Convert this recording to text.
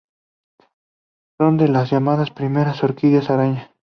Son de las llamadas primeras orquídeas araña.